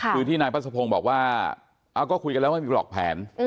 คือที่นายพัฒนภงบอกว่าก็คุยกันแล้วว่ามีหลอกแผน